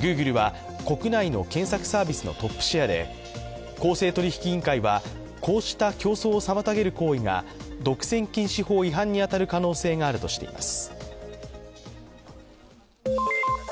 Ｇｏｏｇｌｅは国内の検索サービスのトップシェアで公正取引委員会はこうした競争を妨げる行為が独占禁止法違反に当たる可能性があるとしています。